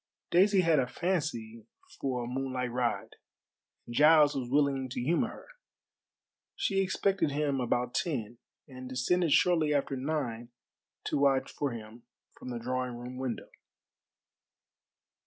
Daisy had a fancy for a moonlight ride, and Giles was willing to humor her. She expected him about ten, and descended shortly after nine to watch for him from the drawing room window.